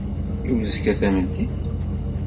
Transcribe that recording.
I uzekka tameddit?